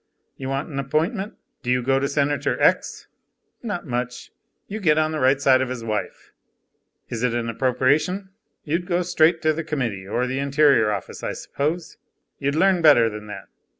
You want an appointment? Do you go to Senator X? Not much. You get on the right side of his wife. Is it an appropriation? You'd go straight to the Committee, or to the Interior office, I suppose? You'd learn better than that.